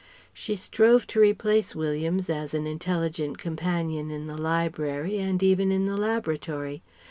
She strove to replace Williams as an intelligent companion in the Library and even in the Laboratory.